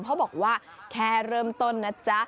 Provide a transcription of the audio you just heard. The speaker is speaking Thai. เขาบอกว่าแค่เริ่มต้นนะจ๊ะ